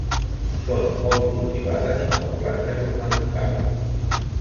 Són molt cultivades com a plantes ornamentals.